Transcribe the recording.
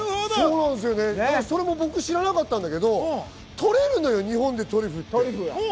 僕、知らなかったんだけどとれるのよ、日本でトリュフが。